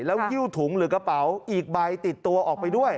แล้วหิ้วถุงหรือกระเป๋าอีกใบติดตัวออกไปด้วย